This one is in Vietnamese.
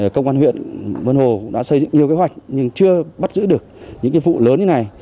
công an huyện vân hồ đã xây dựng nhiều kế hoạch nhưng chưa bắt giữ được những vụ lớn như này